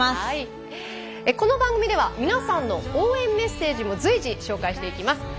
この番組では皆さんの応援メッセージも随時紹介していきます。